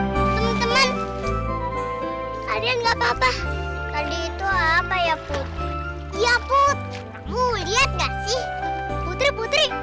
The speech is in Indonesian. teman teman kalian nggak papa tadi itu apa ya putri iya putri lihat gak sih putri putri